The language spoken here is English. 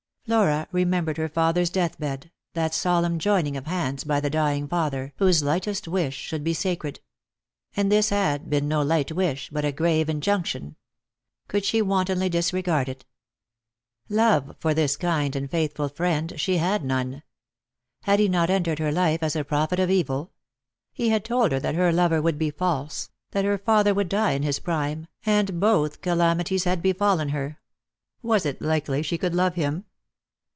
Flora remembered her father's death bed, that solemn joining of hands by the dying father, whose lightest wish should be sacred. And this had been no light wish, but a grave injunction. Could she wantonly disregard it P 242 ±,ost jor M,ove. Love for this kind and faithful friend she had none. Had he not entered her life as a prophet of evil ? He had told her that her lover would be false, that her father would die in his prime, and both calamities had befallen her. Was it likely she could love him